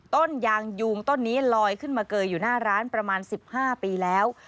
ต้นยางยูงต้นนี้ลอยขึ้นมาเกยอยู่หน้าร้านประมาณ๑๕ปีแล้ว